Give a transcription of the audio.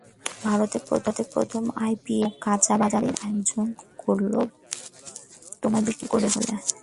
ভারত প্রথমে আইপিএল নামক কাঁচাবাজারের আয়োজন করল, তোমাকে বিক্রি করবে বলে।